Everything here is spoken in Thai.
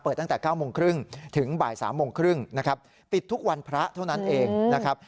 ตั้งแต่๙โมงครึ่งถึงบ่าย๓โมงครึ่งนะครับปิดทุกวันพระเท่านั้นเองนะครับ